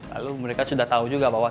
lalu mereka sudah tahu juga bahwa